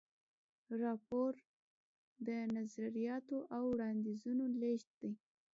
راپور د نظریاتو او وړاندیزونو لیږد دی.